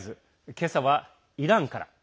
今朝はイランから。